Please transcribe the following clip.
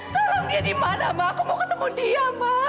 tolong dia di mana ma aku mau ketemu dia ma